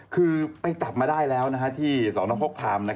คือไปจับมาได้แล้วที่สนโคกคาม